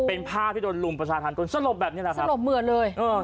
เป็นภาพที่โดนลุมประชาธรรมจนสลบแบบนี้แหละครับสลบเหมือนเลยเออ